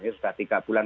sudah tiga bulan